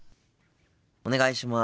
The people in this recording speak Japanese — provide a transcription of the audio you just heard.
お願いします。